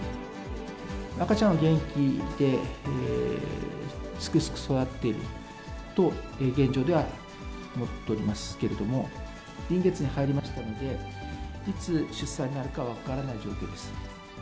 赤ちゃんは元気で、すくすく育っていると現状では思っておりますけれども、臨月に入りましたので、いつ出産になるか分からない状況です。